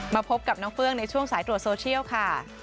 พบกับน้องเฟื้องในช่วงสายตรวจโซเชียลค่ะ